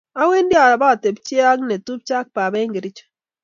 awendi abatepche ago netupcho ago baba eng Kericho